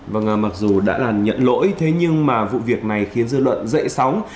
vâng mặc dù đã là nhận lỗi thế nhưng mà vụ việc này khiến dư luận dậy sóng